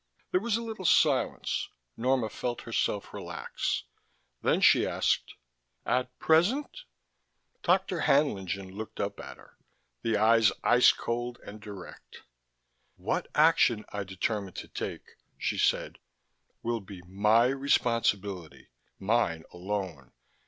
There was a little silence. Norma felt herself relax. Then she asked: "At present?" Dr. Haenlingen looked up at her, the eyes ice cold and direct. "What action I determine to take," she said, "will be my responsibility. Mine alone.